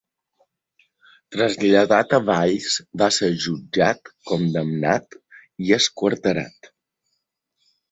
Traslladat a Valls va ser jutjat, condemnat i esquarterat.